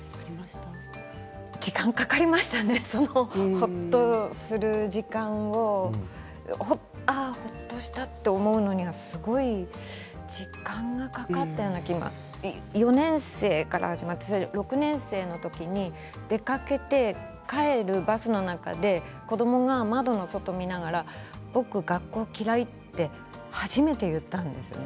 ほっとする時間をああ、ほっとしたと思うのにはすごく時間がかかったような４年生から始まって６年生の時に出かけて帰るバスの中で子どもが窓の外になったら僕が学校嫌いって初めて言ったんですよね。